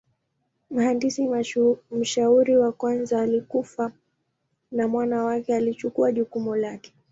Mhandisi mshauri wa kwanza alikufa na mwana wake alichukua jukumu lake.